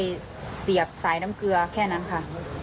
แล้วก็คุณหมอแค่เสียบสายน้ำเกลือแค่นั้นค่ะ